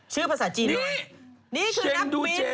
ชื่อภาษาจีนหรอนี่เช็งดูเจเท็น